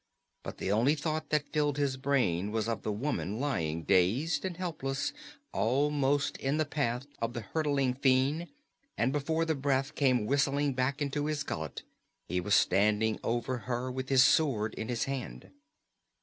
But the only thought that filled his brain was of the woman lying dazed and helpless almost in the path of the hurtling fiend, and before the breath came whistling back into his gullet he was standing over her with his sword in his hand.